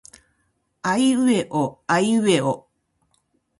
あいうえおあいうえお